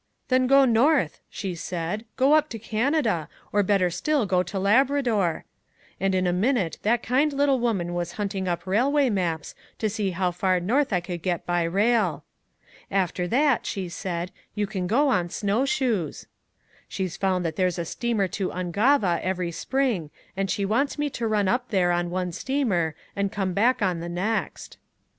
'Then go north,' she said. 'Go up to Canada, or better still go to Labrador,' and in a minute that kind little woman was hunting up railway maps to see how far north I could get by rail. 'After that,' she said, 'you can go on snowshoes.' She's found that there's a steamer to Ungava every spring and she wants me to run up there on one steamer and come back on the next."